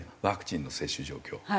ワクチンの接種状況。